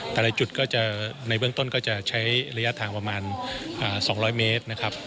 แต่ในเบื้องต้นก็จะใช้ระยะทางประมาณ๒๐๐เมตร